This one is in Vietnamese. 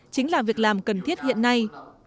chính là việc làm cần thiết hiện nay